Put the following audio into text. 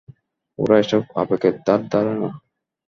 ওরা এসব আবেগের ধার ধারে না।